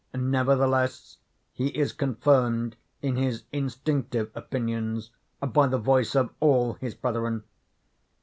Nevertheless he is confirmed in his instinctive opinions by the voice of all his brethren.